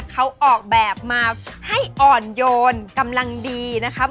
เขาออกแบบมาให้อ่อนโยนกำลังดีนะครับ